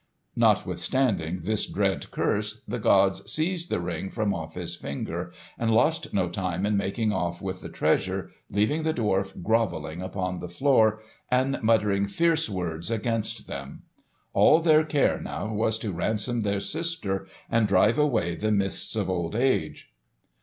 Notwithstanding this dread curse, the gods seized the Ring from off his finger and lost no time in making off with the treasure, leaving the dwarf grovelling upon the floor and muttering fierce words against them. All their care now was to ransom their sister and drive away the mists of old age.